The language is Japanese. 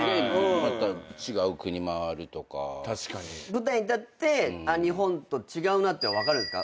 舞台に立って日本と違うなって分かるんですか？